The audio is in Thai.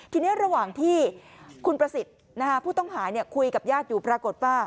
ทีนี้ระหว่างที่คุณประสิทธิ์ผู้ต้องหาคุยกับญาติอยู่ปรากฏว่า